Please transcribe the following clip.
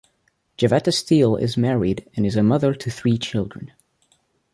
Jevetta Steele is married and is a mother to three children.